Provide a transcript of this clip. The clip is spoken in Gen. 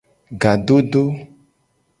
Ga dodo.